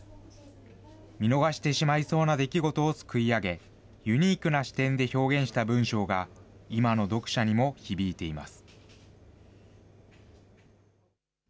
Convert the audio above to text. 見逃してしまいそうな出来事をすくい上げ、ユニークな視点で表現した文章が、今の読者にも響いています。